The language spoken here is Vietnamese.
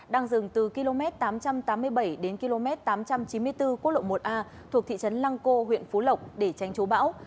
đang dừng từ km tám trăm tám mươi bảy đến km tám trăm chín mươi bốn quốc lộ một a thuộc thị trấn lăng cô huyện phú lộc để tranh chú bão